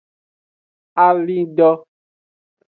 Alindo.